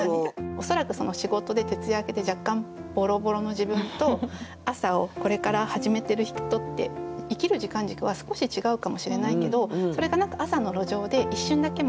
恐らく仕事で徹夜明けで若干ボロボロの自分と朝をこれから始めてる人って生きる時間軸は少し違うかもしれないけどそれが何か朝の路上で一瞬だけ交じり合う。